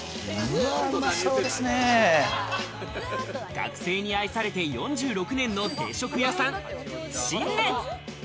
学生に愛されて４６年の定食屋さん、信年。